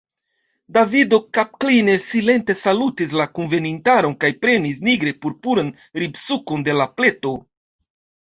Davido kapkline silente salutis la kunvenintaron kaj prenis nigre purpuran ribsukon de la pleto.